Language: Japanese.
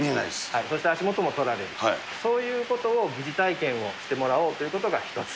そして足元も取られる、そういうことを疑似体験をしてもらおうということが一つ。